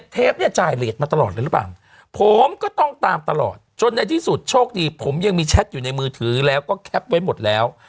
เทปเนี่ยจ่ายเหรียญมาตลอดเลยหรือเปล่าผมก็ต้องตามตลอดจนในที่สุดโชคดีผมยังมีแชทอยู่ในมือถือแล้วก็แคปไว้หมดแล้ว